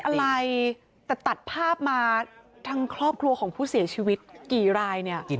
อะไรแต่ตัดภาพมาทางครอบครัวของผู้เสียชีวิตกี่รายเนี่ย